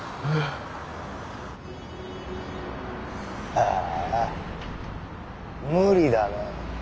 ああ無理だな。